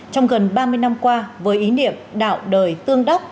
trong gần ba mươi năm qua với ý niệm đạo đời tương đắc